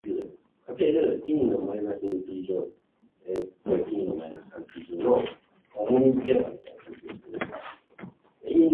エアコンが壊れた